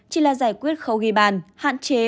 chỉ là giải quyết khấu ghi bàn hạn chế